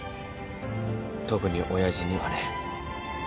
特に親父にはね。